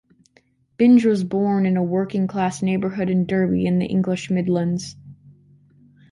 Binge was born in a working-class neighbourhood in Derby in the English Midlands.